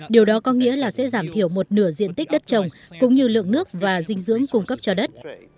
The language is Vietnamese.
điều đó có nghĩa là sẽ giảm thiểu một nửa diện tích đất trồng cũng như lượng nước và dinh dưỡng cung cấp cho đất